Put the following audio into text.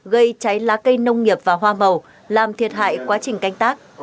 gây cháy lá cây nông nghiệp và hoa màu làm thiệt hại quá trình canh tác